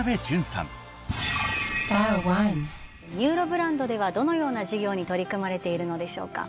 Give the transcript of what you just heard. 「ＮＵＲＯ」ブランドではどのような事業に取り組まれているのでしょうか？